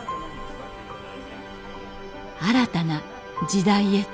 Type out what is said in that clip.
新たな時代へと